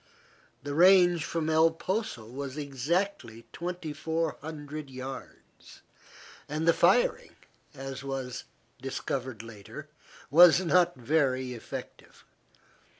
The range from El Poso was exactly 2,400 yards, and the firing, as was discovered later, was not very effective.